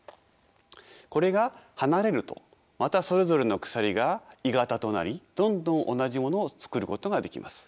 これが離れるとまたそれぞれの鎖が鋳型となりどんどん同じものを作ることができます。